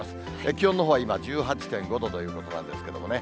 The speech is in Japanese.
気温のほうは今、１８．５度ということなんですけれどもね。